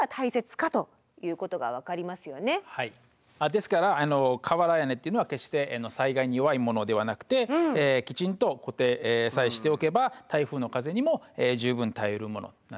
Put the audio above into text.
ですから瓦屋根というのは決して災害に弱いものではなくてきちんと固定さえしておけば台風の風にも十分耐えうるものなんです。